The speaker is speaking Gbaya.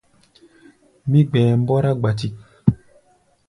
Mí gbɛɛ mbɔ́rá gbatik.